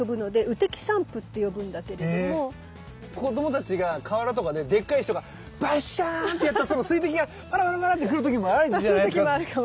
でこういうの子どもたちが河原とかででっかい石とかバッシャーンってやったその水滴がパラパラパラッて来る時もあるんじゃないですか。